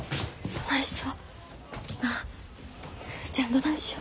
どないしよ。